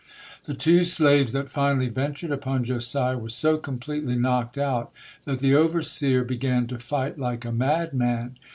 The two slaves that finally ventured upon Josiah were so completely knocked out that the overseer began to fight like a madman.